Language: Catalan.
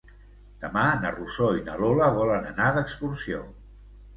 Demà na Rosó i na Lola volen anar d'excursió.